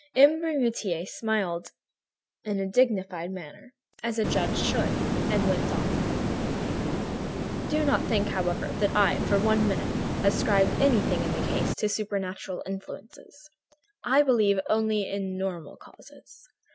M. Bermutier smiled in a dignified manner, as a judge should, and went on: "Do not think, however, that I, for one minute, ascribed anything in the case to supernatural influences. I believe only in normal causes.